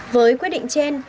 với quyết định trên